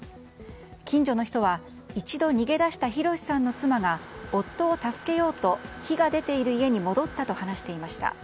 近所の人は一度逃げ出した弘さんの妻が夫を助けようと火が出ている家に戻ったと話していました。